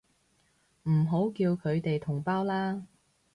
唔好叫佢哋同胞啦